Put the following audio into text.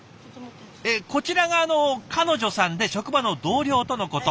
こちらが彼女さんで職場の同僚とのこと。